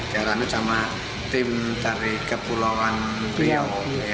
diarahan itu sama tim dari kepulauan riau